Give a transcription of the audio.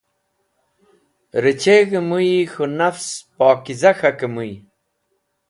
Rechẽg̃h mũyi k̃hũ nafs pokza k̃hakẽ mũy.